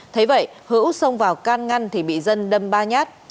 thấy vậy hữu xông vào can ngăn thì bị dân đâm ba nhát